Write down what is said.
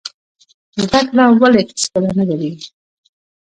زده کړه ولې هیڅکله نه دریږي؟